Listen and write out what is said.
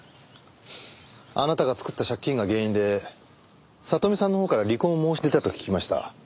あなたが作った借金が原因で里実さんのほうから離婚を申し出たと聞きました。